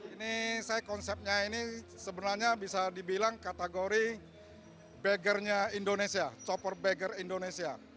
ini saya konsepnya ini sebenarnya bisa dibilang kategori baggernya indonesia chopper bagger indonesia